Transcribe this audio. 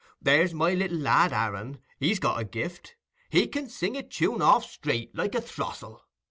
There's my little lad Aaron, he's got a gift—he can sing a tune off straight, like a throstle.